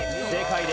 正解。